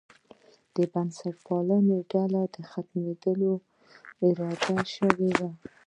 د بنسټپالو ډلو د ختمولو اراده شوې وه.